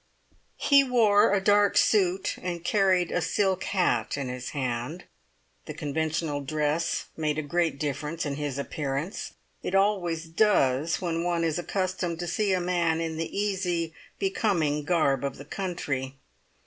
He wore a dark suit, and carried a silk hat in his hand. The conventional dress made a great difference in his appearance; it always does when one is accustomed to see a man in the easy, becoming garb of the country.